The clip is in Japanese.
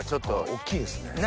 大っきいですね。